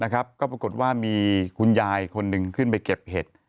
ก็ปรากฏว่ามีคุณยายคนหนึ่งขึ้นไปเก็บเห็ด